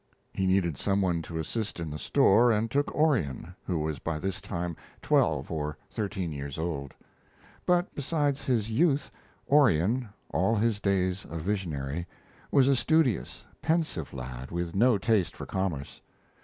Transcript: He needed some one to assist in the store, and took in Orion, who was by this time twelve or thirteen years old; but, besides his youth, Orion all his days a visionary was a studious, pensive lad with no taste for commerce.